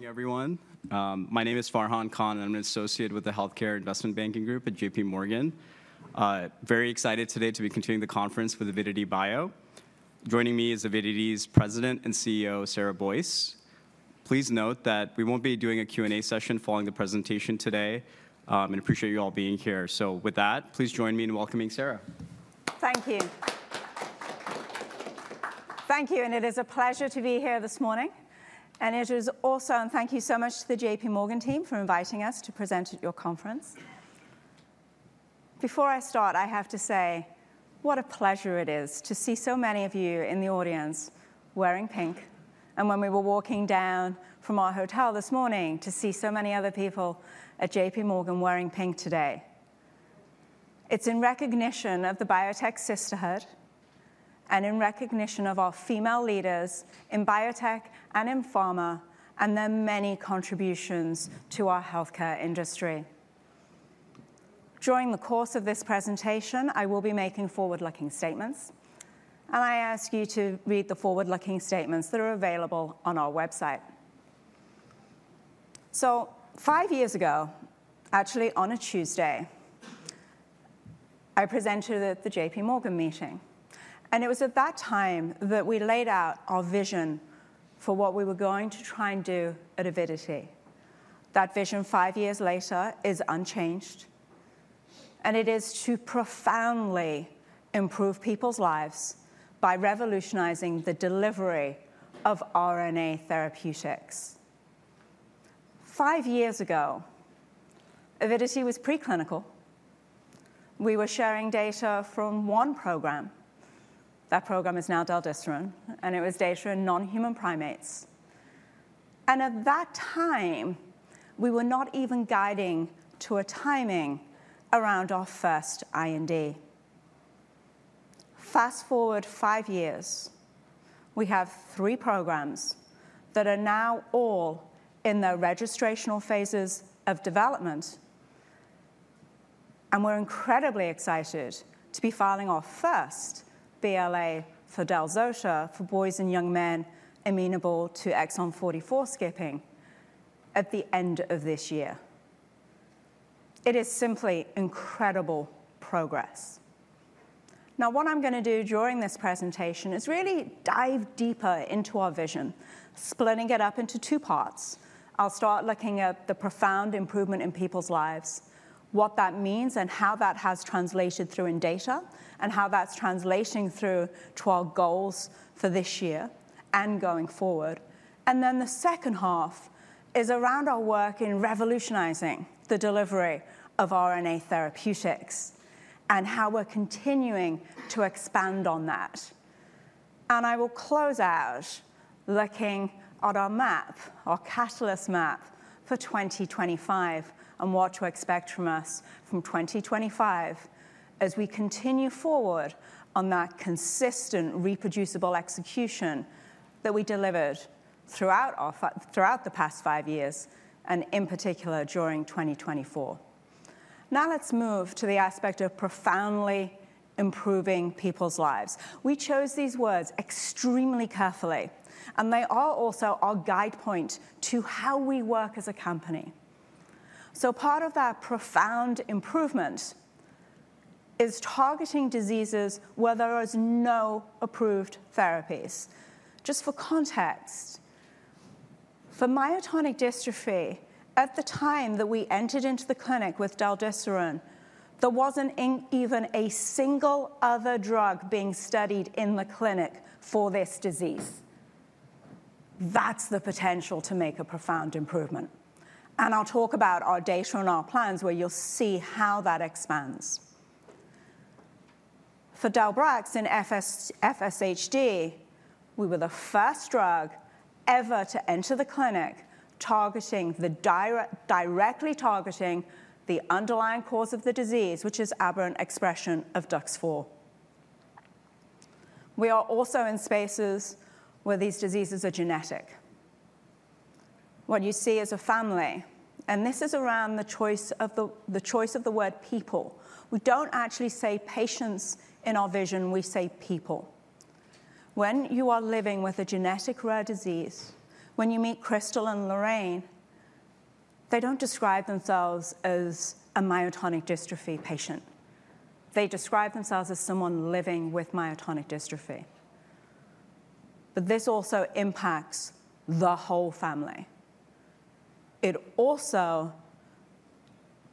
Good morning, everyone. My name is Farhan Khan, and I'm an associate with the Healthcare Investment Banking Group at JPMorgan. Very excited today to be continuing the conference with Avidity Bio. Joining me is Avidity's President and CEO, Sarah Boyce. Please note that we won't be doing a Q&A session following the presentation today, and I appreciate you all being here. So with that, please join me in welcoming Sarah. Thank you. Thank you, and it is a pleasure to be here this morning, and it is also, and thank you so much to the JPMorgan team for inviting us to present at your conference. Before I start, I have to say what a pleasure it is to see so many of you in the audience wearing pink, and when we were walking down from our hotel this morning to see so many other people at JPMorgan wearing pink today. It's in recognition of the Biotech Sisterhood and in recognition of our female leaders in biotech and in pharma, and their many contributions to our healthcare industry. During the course of this presentation, I will be making forward-looking statements, and I ask you to read the forward-looking statements that are available on our website, so five years ago, actually on a Tuesday, I presented at the JPMorgan meeting, and it was at that time that we laid out our vision for what we were going to try and do at Avidity. That vision, five years later, is unchanged, and it is to profoundly improve people's lives by revolutionizing the delivery of RNA therapeutics. Five years ago, Avidity was preclinical. We were sharing data from one program. That program is now Del-desiran, and it was data on non-human primates. And at that time, we were not even guiding to a timing around our first IND. Fast forward five years, we have three programs that are now all in their registrational phases of development, and we're incredibly excited to be filing our first BLA for Del-zota for boys and young men amenable to exon 44 skipping at the end of this year. It is simply incredible progress. Now, what I'm going to do during this presentation is really dive deeper into our vision, splitting it up into two parts. I'll start looking at the profound improvement in people's lives, what that means and how that has translated through in data, and how that's translating through to our goals for this year and going forward. And then the second half is around our work in revolutionizing the delivery of RNA therapeutics and how we're continuing to expand on that. And I will close out looking at our map, our catalyst map for 2025, and what to expect from us from 2025 as we continue forward on that consistent reproducible execution that we delivered throughout the past five years and in particular during 2024. Now let's move to the aspect of profoundly improving people's lives. We chose these words extremely carefully, and they are also our guidepost to how we work as a company. So part of that profound improvement is targeting diseases where there are no approved therapies. Just for context, for myotonic dystrophy, at the time that we entered into the clinic with Del-desiran, there wasn't even a single other drug being studied in the clinic for this disease. That's the potential to make a profound improvement. And I'll talk about our data and our plans where you'll see how that expands. For Del-brax in FSHD, we were the first drug ever to enter the clinic directly targeting the underlying cause of the disease, which is aberrant expression of DUX4. We are also in spaces where these diseases are genetic. What you see is a family, and this is around the choice of the word people. We don't actually say patients in our vision. We say people. When you are living with a genetic rare disease, when you meet Crystal and Lorraine, they don't describe themselves as a myotonic dystrophy patient. They describe themselves as someone living with myotonic dystrophy. But this also impacts the whole family. It also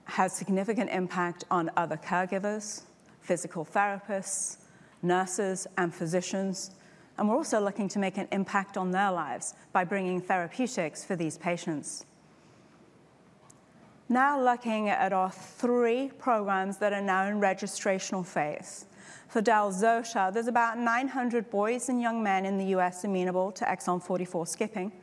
has a significant impact on other caregivers, physical therapists, nurses, and physicians. And we're also looking to make an impact on their lives by bringing therapeutics for these patients. Now looking at our three programs that are now in registrational phase. For Del-zota, there's about 900 boys and young men in the U.S. amenable to exon 44 skipping.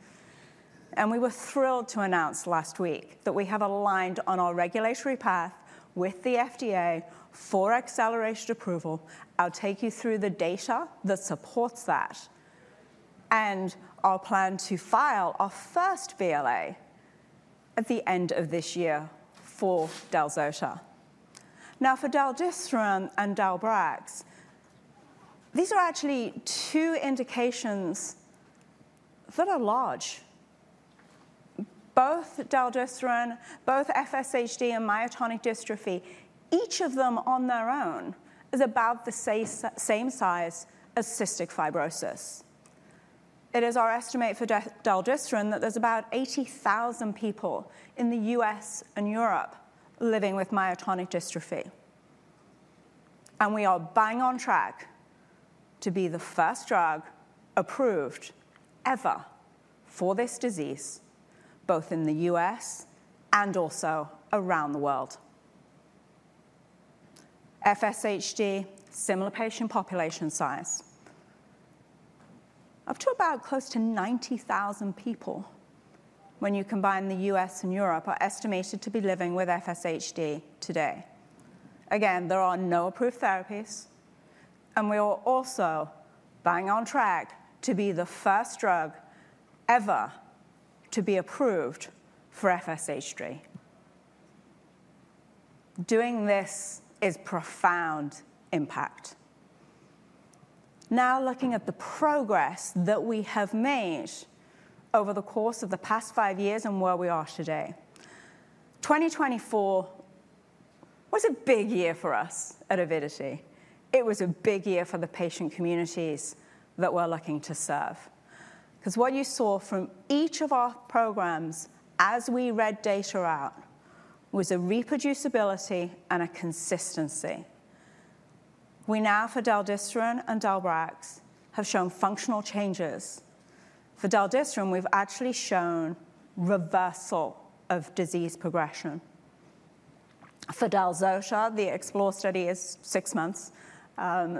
And we were thrilled to announce last week that we have aligned on our regulatory path with the FDA for accelerated approval. I'll take you through the data that supports that, and I'll plan to file our first BLA at the end of this year for Del-zota. Now, for Del-desiran and Del-brax, these are actually two indications that are large. Both Del-desiran, FSHD and myotonic dystrophy, each of them on their own is about the same size as cystic fibrosis. It is our estimate for Del-desiran that there's about 80,000 people in the U.S. and Europe living with myotonic dystrophy. We are bang on track to be the first drug approved ever for this disease, both in the U.S. and also around the world. FSHD, similar patient population size. Up to about close to 90,000 people when you combine the U.S. and Europe are estimated to be living with FSHD today. Again, there are no approved therapies, and we are also bang on track to be the first drug ever to be approved for FSHD. Doing this is profound impact. Now looking at the progress that we have made over the course of the past five years and where we are today. 2024 was a big year for us at Avidity. It was a big year for the patient communities that we're looking to serve. Because what you saw from each of our programs as we read data out was a reproducibility and a consistency. We now, for Del-desiran and Del-brax, have shown functional changes. For Del-desiran, we've actually shown reversal of disease progression. For Del-zota, the EXPLORE study is six months.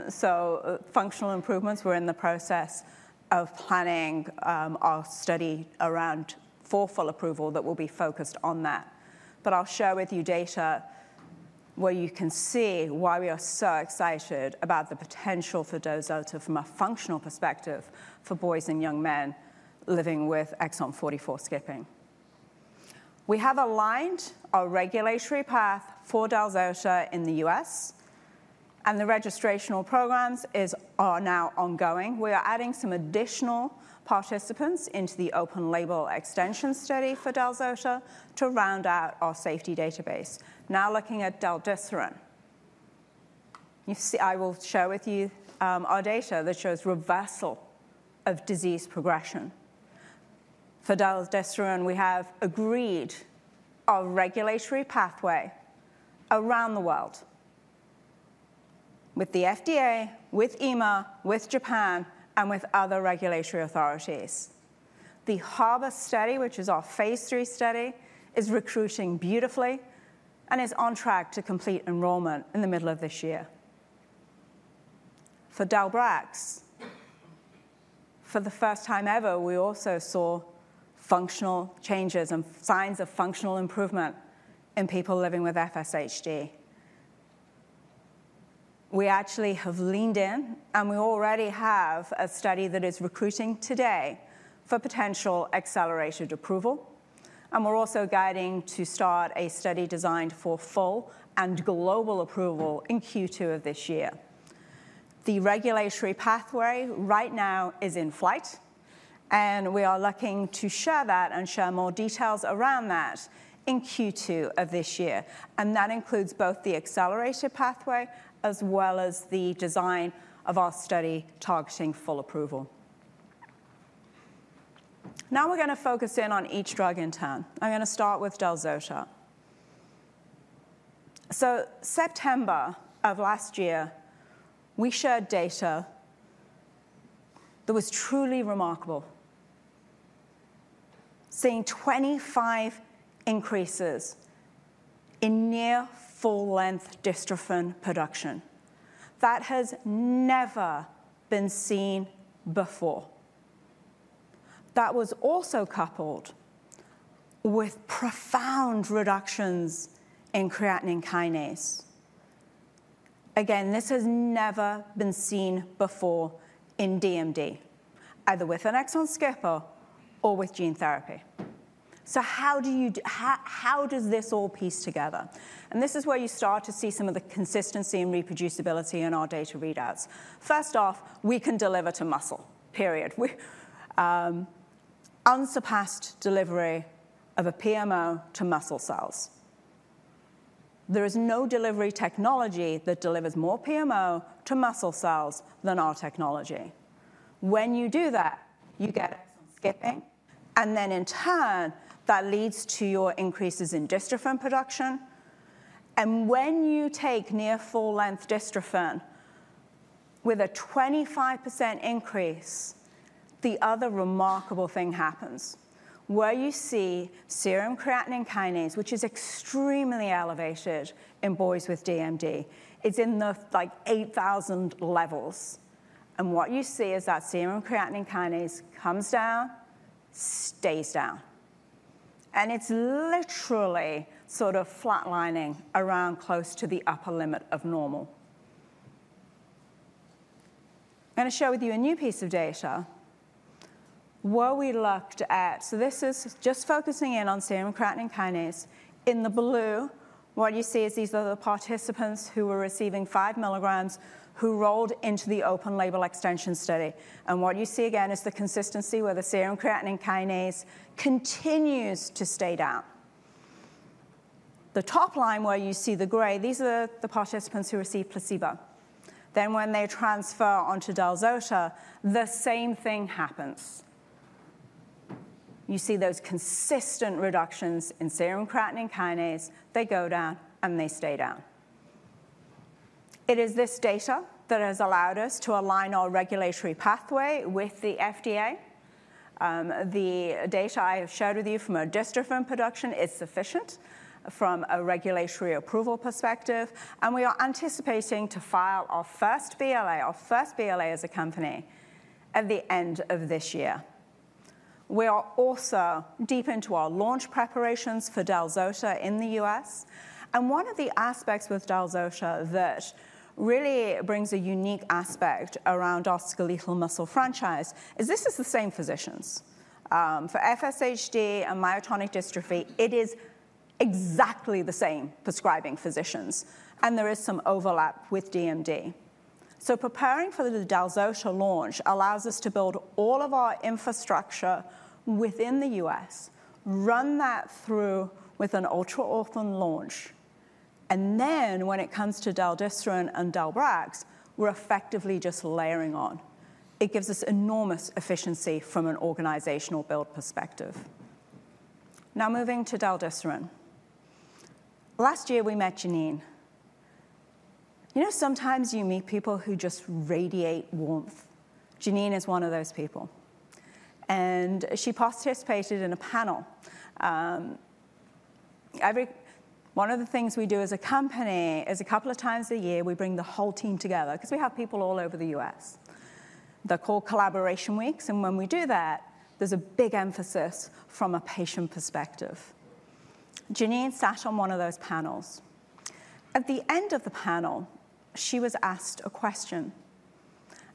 So functional improvements, we're in the process of planning our study around full approval that will be focused on that. But I'll share with you data where you can see why we are so excited about the potential for Del-zota from a functional perspective for boys and young men living with Exon 44 skipping. We have aligned our regulatory path for Del-zota in the U.S., and the registrational programs are now ongoing. We are adding some additional participants into the open label extension study for Del-zota to round out our safety database. Now looking at Del-desiran, I will share with you our data that shows reversal of disease progression. For Del-desiran, we have agreed on a regulatory pathway around the world with the FDA, with EMA, with Japan, and with other regulatory authorities. The HARBOR study, which is our phase three study, is recruiting beautifully and is on track to complete enrollment in the middle of this year. For Del-brax, for the first time ever, we also saw functional changes and signs of functional improvement in people living with FSHD. We actually have leaned in, and we already have a study that is recruiting today for potential accelerated approval, and we're also guiding to start a study designed for full and global approval in Q2 of this year. The regulatory pathway right now is in flight, and we are looking to share that and share more details around that in Q2 of this year, and that includes both the accelerated pathway as well as the design of our study targeting full approval. Now we're going to focus in on each drug in turn. I'm going to start with Del-zota, so September of last year, we shared data that was truly remarkable, seeing 25 increases in near full-length dystrophin production. That has never been seen before. That was also coupled with profound reductions in creatine kinase. Again, this has never been seen before in DMD, either with an exon skipper or with gene therapy. So how does this all piece together? And this is where you start to see some of the consistency and reproducibility in our data readouts. First off, we can deliver to muscle, period. Unsurpassed delivery of a PMO to muscle cells. There is no delivery technology that delivers more PMO to muscle cells than our technology. When you do that, you get exon skipping, and then in turn, that leads to your increases in dystrophin production. And when you take near full-length dystrophin with a 25% increase, the other remarkable thing happens where you see serum creatine kinase, which is extremely elevated in boys with DMD. It's in the like 8,000 levels. And what you see is that serum creatine kinase comes down, stays down, and it's literally sort of flatlining around close to the upper limit of normal. I'm going to share with you a new piece of data where we looked at, so this is just focusing in on serum creatine kinase. In the blue, what you see is these are the participants who were receiving five milligrams who rolled into the open label extension study. And what you see again is the consistency where the serum creatine kinase continues to stay down. The top line where you see the gray, these are the participants who receive placebo. Then when they transfer onto Del-zota, the same thing happens. You see those consistent reductions in serum creatine kinase. They go down and they stay down. It is this data that has allowed us to align our regulatory pathway with the FDA. The data I have shared with you from our dystrophin production is sufficient from a regulatory approval perspective, and we are anticipating to file our first BLA, our first BLA as a company at the end of this year. We are also deep into our launch preparations for Del-zota in the US, and one of the aspects with Del-zota that really brings a unique aspect around our skeletal muscle franchise is this is the same physicians. For FSHD and myotonic dystrophy, it is exactly the same prescribing physicians, and there is some overlap with DMD, so preparing for the Del-zota launch allows us to build all of our infrastructure within the US, run that through with an ultra-orphan launch, and then when it comes to Del-desiran and Del-brax, we're effectively just layering on. It gives us enormous efficiency from an organizational build perspective. Now moving to Del-desiran. Last year, we met Janine. You know, sometimes you meet people who just radiate warmth. Janine is one of those people and she participated in a panel. One of the things we do as a company is a couple of times a year, we bring the whole team together because we have people all over the U.S. They're called collaboration weeks and when we do that, there's a big emphasis from a patient perspective. Janine sat on one of those panels. At the end of the panel, she was asked a question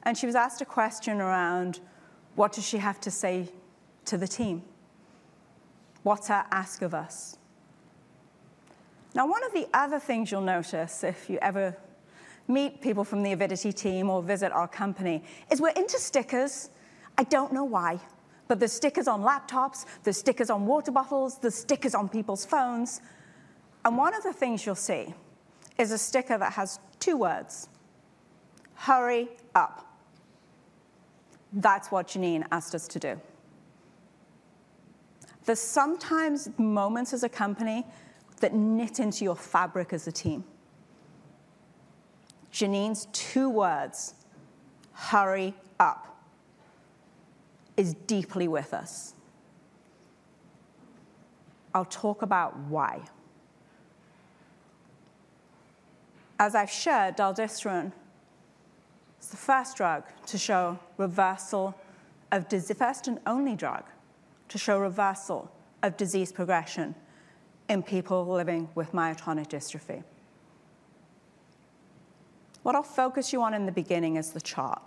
and she was asked a question around what does she have to say to the team. What's her ask of us? Now, one of the other things you'll notice if you ever meet people from the Avidity team or visit our company is we're into stickers. I don't know why, but there's stickers on laptops, there's stickers on water bottles, there's stickers on people's phones, and one of the things you'll see is a sticker that has two words, "Hurry up." That's what Janine asked us to do. There's sometimes moments as a company that knit into your fabric as a team. Janine's two words, "Hurry up," is deeply with us. I'll talk about why. As I've shared, Del-desiran is the first drug to show reversal of disease. The first and only drug to show reversal of disease progression in people living with myotonic dystrophy. What I'll focus you on in the beginning is the chart.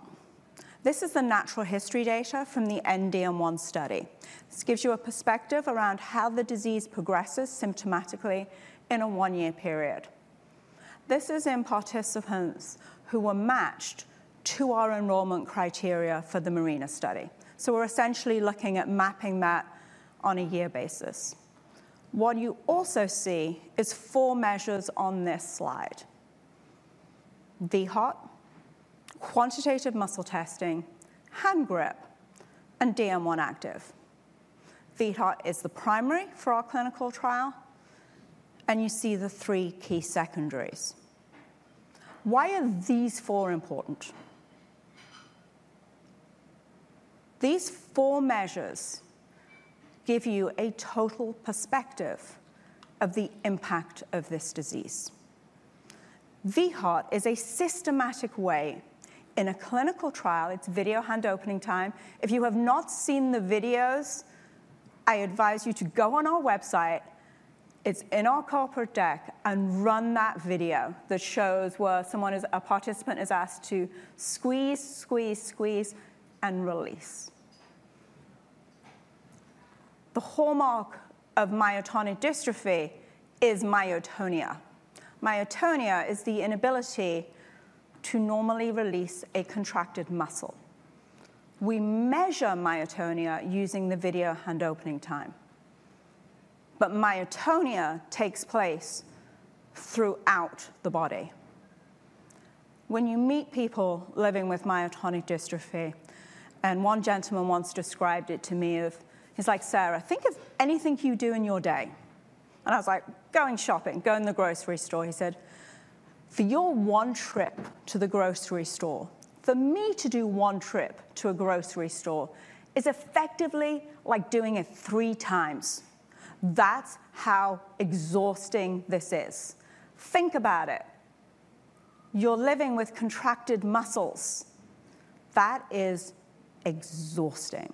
This is the natural history data from the DM1 study. This gives you a perspective around how the disease progresses symptomatically in a one-year period. This is in participants who were matched to our enrollment criteria for the MARINA study. So we're essentially looking at mapping that on a year basis. What you also see is four measures on this slide: vHOT, quantitative muscle testing, hand grip, and DM1-Activ. vHOT is the primary for our clinical trial, and you see the three key secondaries. Why are these four important? These four measures give you a total perspective of the impact of this disease. vHOT is a systematic way in a clinical trial. It's video hand opening time. If you have not seen the videos, I advise you to go on our website. It's in our corporate deck and run that video that shows where a participant is asked to squeeze, squeeze, squeeze, and release. The hallmark of myotonic dystrophy is myotonia. Myotonia is the inability to normally release a contracted muscle. We measure myotonia using the video hand opening time. But myotonia takes place throughout the body. When you meet people living with myotonic dystrophy, and one gentleman once described it to me, he's like, "Sarah, think of anything you do in your day." And I was like, "Going shopping, going to the grocery store." He said, "For your one trip to the grocery store, for me to do one trip to a grocery store is effectively like doing it three times. That's how exhausting this is. Think about it. You're living with contracted muscles. That is exhausting."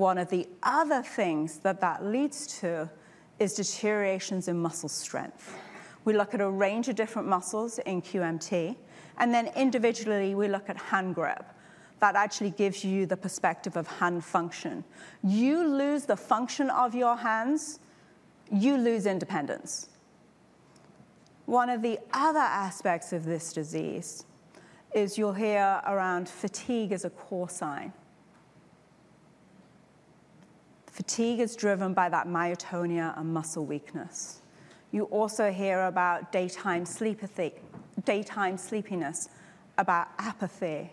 One of the other things that leads to is deteriorations in muscle strength. We look at a range of different muscles in QMT, and then individually we look at hand grip. That actually gives you the perspective of hand function. You lose the function of your hands, you lose independence. One of the other aspects of this disease is you'll hear about fatigue as a core sign. Fatigue is driven by that myotonia and muscle weakness. You also hear about daytime sleepiness, about apathy.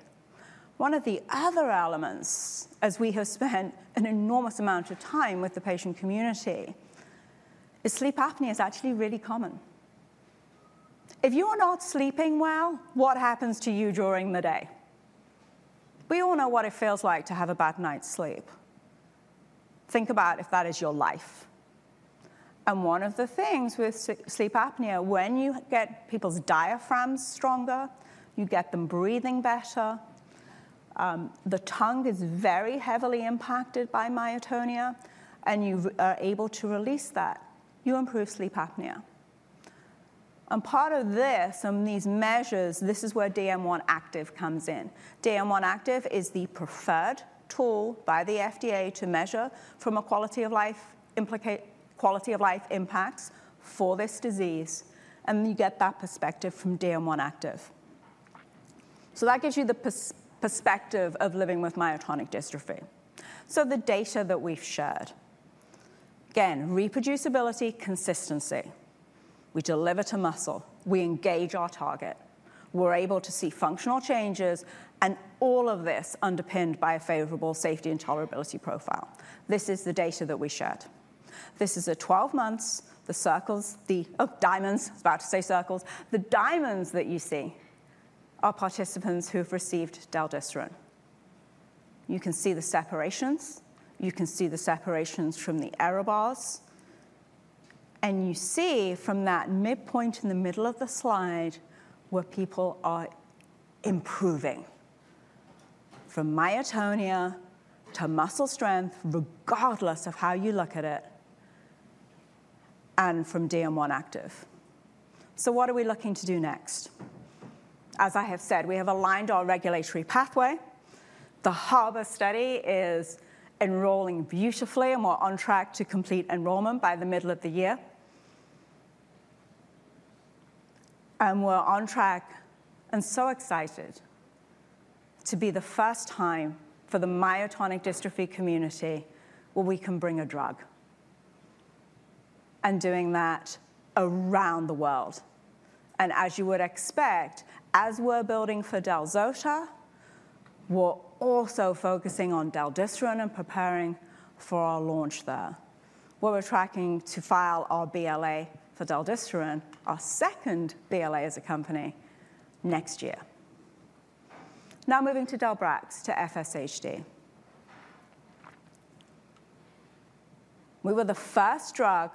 One of the other elements, as we have spent an enormous amount of time with the patient community, is sleep apnea actually really common. If you are not sleeping well, what happens to you during the day? We all know what it feels like to have a bad night's sleep. Think about if that is your life. And one of the things with sleep apnea, when you get people's diaphragms stronger, you get them breathing better. The tongue is very heavily impacted by myotonia, and you are able to release that. You improve sleep apnea. And part of this, some of these measures, this is where DM1-Activ comes in. DM1-Activ is the preferred tool by the FDA to measure from a quality of life impacts for this disease. And you get that perspective from DM1-Activ. So that gives you the perspective of living with myotonic dystrophy. So the data that we've shared, again, reproducibility, consistency. We deliver to muscle. We engage our target. We're able to see functional changes, and all of this underpinned by a favorable safety and tolerability profile. This is the data that we shared. This is a 12 months, the circles, the diamonds, I was about to say circles. The diamonds that you see are participants who have received Del-desiran. You can see the separations. You can see the separations from the error bars. And you see from that midpoint in the middle of the slide where people are improving from myotonia to muscle strength, regardless of how you look at it, and from DM1-Activ. So what are we looking to do next? As I have said, we have aligned our regulatory pathway. The HARBOR study is enrolling beautifully, and we're on track to complete enrollment by the middle of the year and we're on track and so excited to be the first time for the myotonic dystrophy community where we can bring a drug and doing that around the world. As you would expect, as we're building for Del-zota, we're also focusing on Del-desiran and preparing for our launch there. We're tracking to file our BLA for Del-desiran, our second BLA as a company next year. Now moving to Del-brax to FSHD. We were the first drug,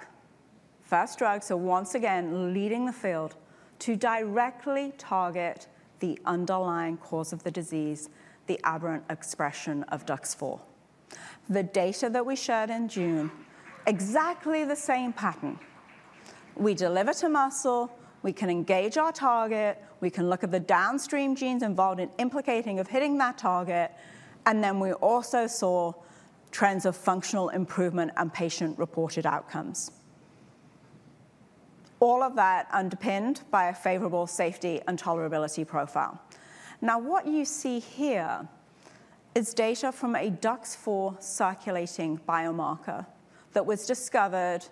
first drug, so once again leading the field to directly target the underlying cause of the disease, the aberrant expression of DUX4. The data that we shared in June exactly the same pattern. We deliver to muscle. We can engage our target. We can look at the downstream genes involved in implicating of hitting that target, and then we also saw trends of functional improvement and patient-reported outcomes. All of that underpinned by a favorable safety and tolerability profile. Now, what you see here is data from a DUX4 circulating biomarker that was discovered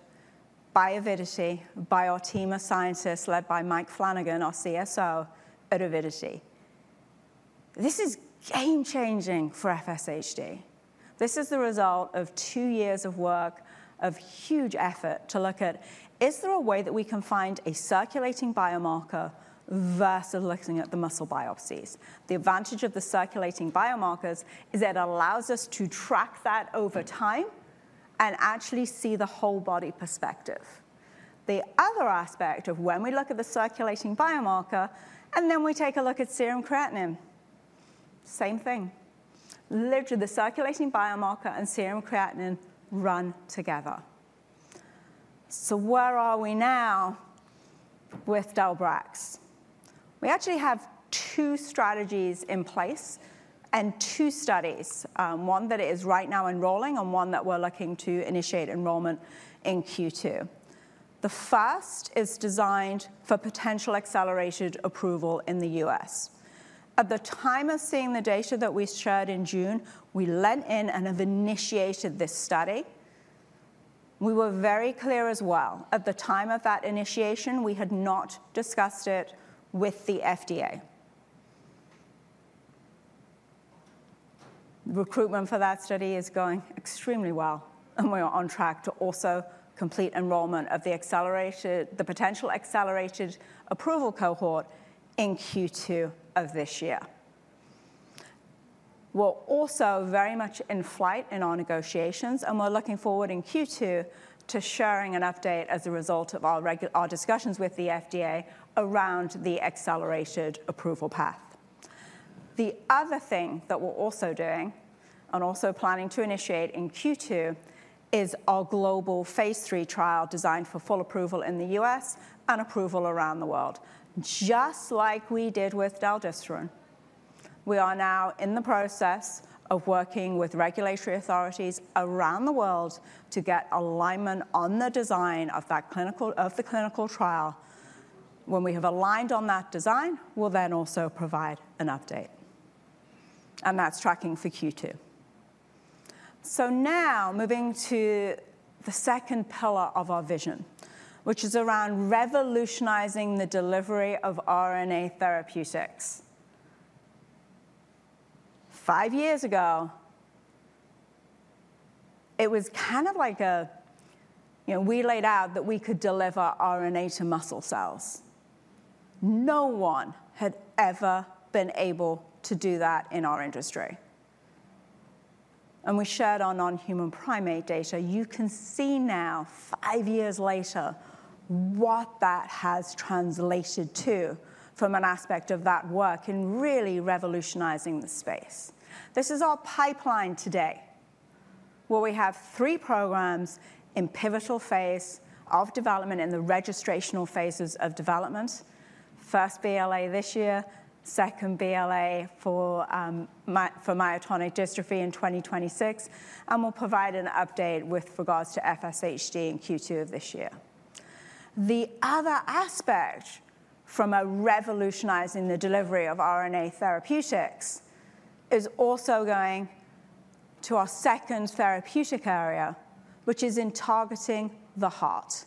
by Avidity, by our team of scientists led by Mike Flanagan, our CSO at Avidity. This is game-changing for FSHD. This is the result of two years of work, of huge effort to look at: is there a way that we can find a circulating biomarker versus looking at the muscle biopsies? The advantage of the circulating biomarkers is it allows us to track that over time and actually see the whole body perspective. The other aspect of when we look at the circulating biomarker and then we take a look at serum creatinine, same thing. Literally, the circulating biomarker and serum creatine kinase run together. So where are we now with Del-brax? We actually have two strategies in place and two studies, one that is right now enrolling and one that we're looking to initiate enrollment in Q2. The first is designed for potential accelerated approval in the U.S. At the time of seeing the data that we shared in June, we went in and have initiated this study. We were very clear as well. At the time of that initiation, we had not discussed it with the FDA. Recruitment for that study is going extremely well, and we are on track to also complete enrollment of the potential accelerated approval cohort in Q2 of this year. We're also very much in flight in our negotiations, and we're looking forward in Q2 to sharing an update as a result of our discussions with the FDA around the accelerated approval path. The other thing that we're also doing and also planning to initiate in Q2 is our global phase three trial designed for full approval in the U.S. and approval around the world, just like we did with Del-desiran. We are now in the process of working with regulatory authorities around the world to get alignment on the design of the clinical trial. When we have aligned on that design, we'll then also provide an update. And that's tracking for Q2. So now moving to the second pillar of our vision, which is around revolutionizing the delivery of RNA therapeutics. Five years ago, it was kind of like a, you know, we laid out that we could deliver RNA to muscle cells. No one had ever been able to do that in our industry, and we shared our non-human primate data. You can see now, five years later, what that has translated to from an aspect of that work in really revolutionizing the space. This is our pipeline today, where we have three programs in pivotal phase of development in the registrational phases of development. First BLA this year, second BLA for myotonic dystrophy in 2026, and we'll provide an update with regards to FSHD in Q2 of this year. The other aspect from revolutionizing the delivery of RNA therapeutics is also going to our second therapeutic area, which is in targeting the heart,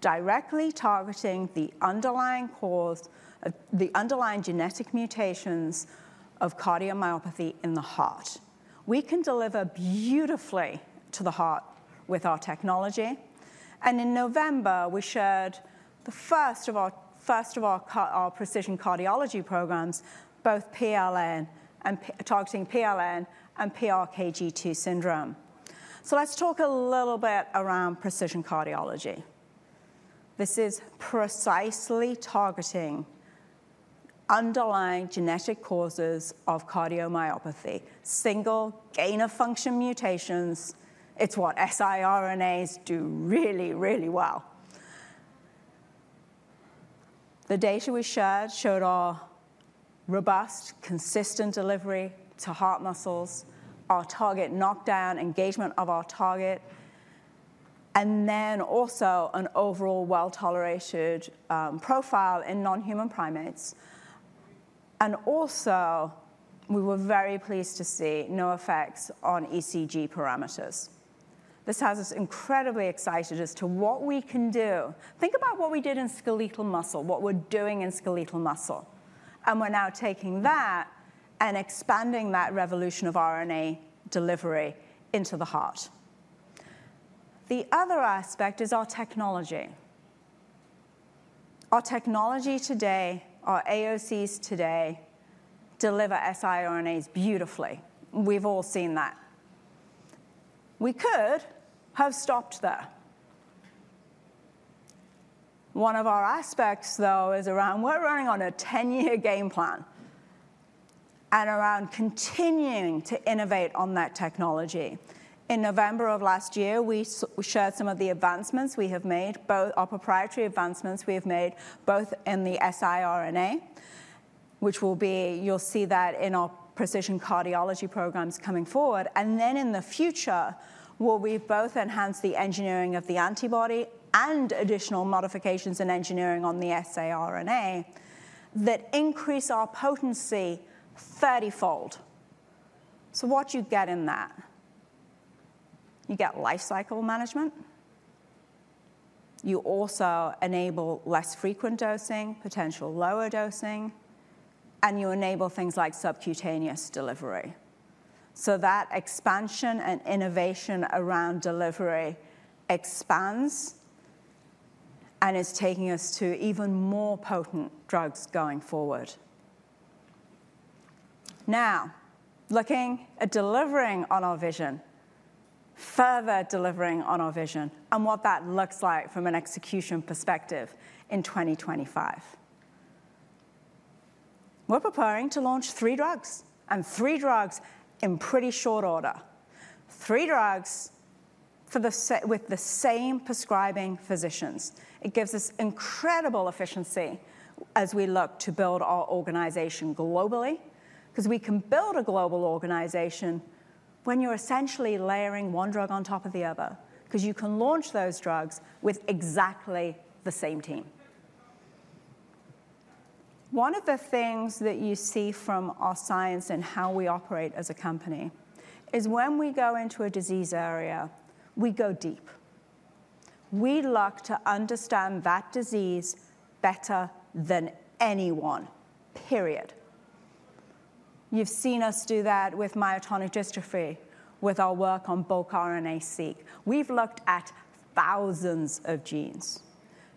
directly targeting the underlying cause of the underlying genetic mutations of cardiomyopathy in the heart. We can deliver beautifully to the heart with our technology, and in November, we shared the first of our precision cardiology programs, both PLN and targeting PLN and PRKAG2 syndrome, so let's talk a little bit around precision cardiology. This is precisely targeting underlying genetic causes of cardiomyopathy, single gain of function mutations. It's what siRNAs do really, really well. The data we shared showed our robust, consistent delivery to heart muscles, our target knockdown, engagement of our target, and then also an overall well-tolerated profile in non-human primates, and also, we were very pleased to see no effects on ECG parameters. This has us incredibly excited as to what we can do. Think about what we did in skeletal muscle, what we're doing in skeletal muscle, and we're now taking that and expanding that revolution of RNA delivery into the heart. The other aspect is our technology. Our technology today, our AOCs today deliver siRNAs beautifully. We've all seen that. We could have stopped there. One of our aspects, though, is that we're running on a 10-year game plan and around continuing to innovate on that technology. In November of last year, we shared some of the advancements we have made, both our proprietary advancements in the siRNA, which will be, you'll see that in our precision cardiology programs coming forward. And then in the future, where we've both enhanced the engineering of the antibody and additional modifications in engineering on the siRNA that increase our potency 30-fold. So what do you get in that? You get life cycle management. You also enable less frequent dosing, potential lower dosing, and you enable things like subcutaneous delivery. So that expansion and innovation around delivery expands and is taking us to even more potent drugs going forward. Now, looking at delivering on our vision, further delivering on our vision, and what that looks like from an execution perspective in 2025. We're preparing to launch three drugs and three drugs in pretty short order. Three drugs with the same prescribing physicians. It gives us incredible efficiency as we look to build our organization globally because we can build a global organization when you're essentially layering one drug on top of the other because you can launch those drugs with exactly the same team. One of the things that you see from our science and how we operate as a company is when we go into a disease area, we go deep. We look to understand that disease better than anyone, period. You've seen us do that with myotonic dystrophy with our work on bulk RNA-seq. We've looked at thousands of genes.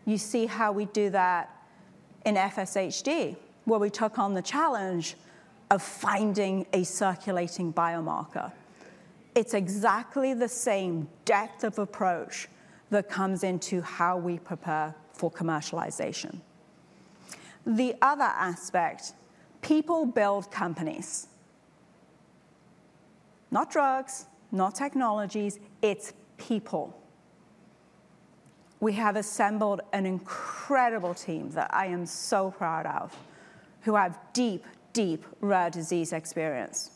You see how we do that in FSHD where we took on the challenge of finding a circulating biomarker. It's exactly the same depth of approach that comes into how we prepare for commercialization. The other aspect, people build companies. Not drugs, not technologies, it's people. We have assembled an incredible team that I am so proud of, who have deep, deep rare disease experience.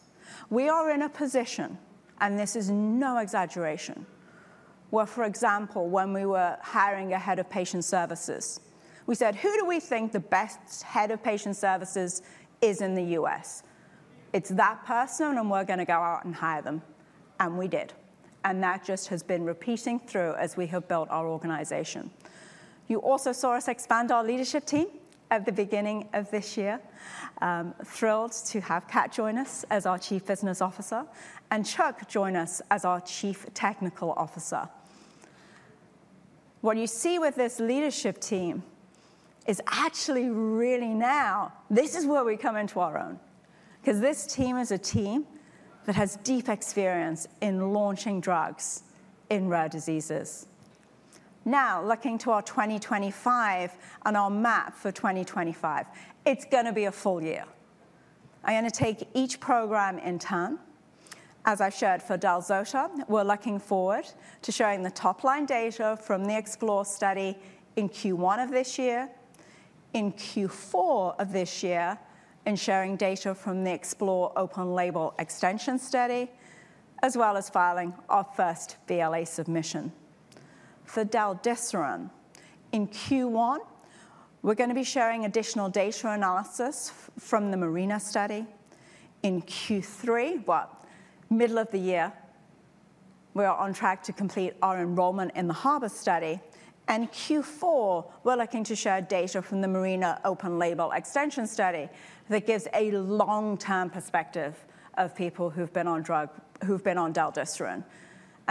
We are in a position, and this is no exaggeration, where, for example, when we were hiring a head of patient services, we said, "Who do we think the best head of patient services is in the US? It's that person, and we're going to go out and hire them, and we did. That just has been repeating through as we have built our organization. You also saw us expand our leadership team at the beginning of this year. Thrilled to have Kat join us as our Chief Business Officer and Mike join us as our Chief Technical Officer. What you see with this leadership team is actually really now, this is where we come into our own because this team is a team that has deep experience in launching drugs in rare diseases. Now, looking to our 2025 and our map for 2025, it's going to be a full year. I'm going to take each program in turn. As I've shared for Del-zota, we're looking forward to showing the top-line data from the EXPLORE study in Q1 of this year, in Q4 of this year, and sharing data from the EXPLORE open label extension study, as well as filing our first BLA submission. For Del-desiran, in Q1, we're going to be sharing additional data analysis from the MARINA study. In Q3, middle of the year. We are on track to complete our enrollment in the HARBOR study. Q4, we're looking to share data from the MARINA open label extension study that gives a long-term perspective of people who've been on Del-desiran.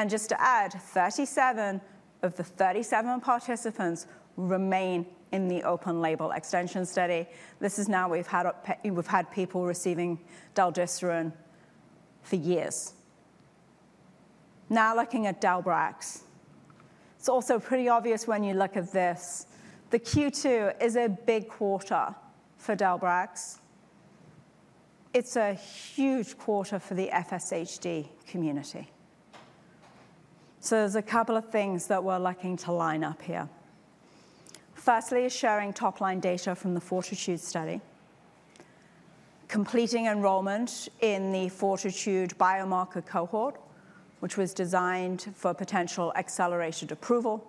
Just to add, 37 of the 37 participants remain in the open label extension study. This is now we've had people receiving Del-desiran for years. Now looking at Del-brax, it's also pretty obvious when you look at this. The Q2 is a big quarter for Del-brax. It's a huge quarter for the FSHD community, so there's a couple of things that we're looking to line up here. Firstly, sharing top-line data from the FORTITUDE study, completing enrollment in the FORTITUDE biomarker cohort, which was designed for potential accelerated approval,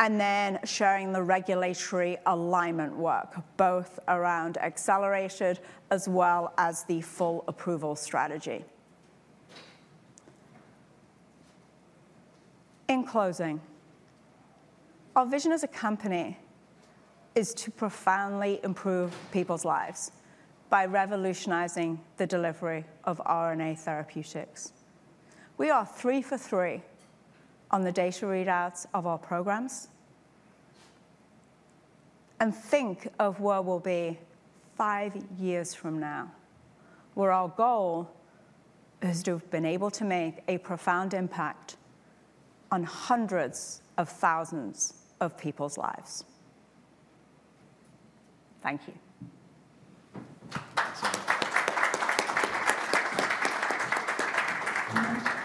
and then sharing the regulatory alignment work, both around accelerated as well as the full approval strategy. In closing, our vision as a company is to profoundly improve people's lives by revolutionizing the delivery of RNA therapeutics. We are three for three on the data readouts of our programs, and think of where we'll be five years from now, where our goal has been able to make a profound impact on hundreds of thousands of people's lives. Thank you.